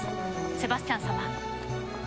セバスチャン様。